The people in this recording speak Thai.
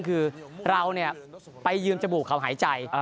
คือเราไปยืมจมูกเขาหายใจ